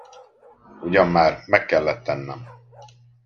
Ugyan már, meg kellett tennem.